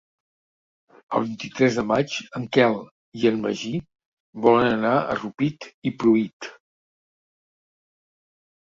El vint-i-tres de maig en Quel i en Magí volen anar a Rupit i Pruit.